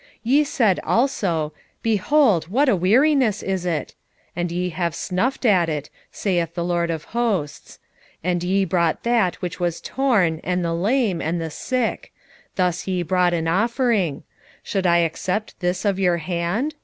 1:13 Ye said also, Behold, what a weariness is it! and ye have snuffed at it, saith the LORD of hosts; and ye brought that which was torn, and the lame, and the sick; thus ye brought an offering: should I accept this of your hand?